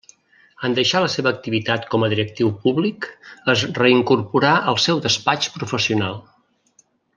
En deixar la seva activitat com a directiu públic, es reincorporà al seu despatx professional.